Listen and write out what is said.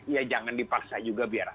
ya jangan dipaksa juga biar